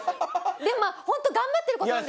でもホント頑張ってることなんで。